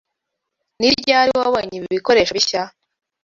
Ni ryari wabonye ibi bikoresho bishya?